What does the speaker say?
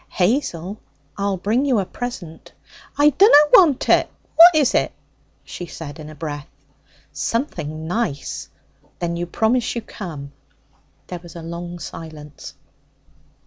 'Hazel! I'll bring you a present.' 'I dunna want it. What is it?' she said in a breath. 'Something nice. Then you promise to come?' There was a long silence.